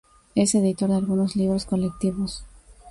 Es editor de algunos libros colectivos.